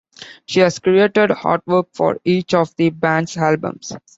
She has created artwork for each of the band's albums.